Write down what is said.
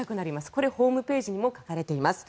これはホームページにも書いてあります。